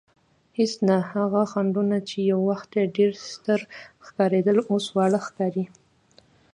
هېڅ نه، هغه خنډونه چې یو وخت ډېر ستر ښکارېدل اوس واړه ښکاري.